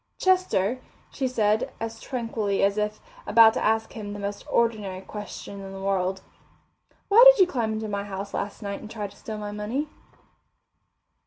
"Chester," she said, as tranquilly as if about to ask him the most ordinary question in the world, "why did you climb into my house last night and try to steal my money?"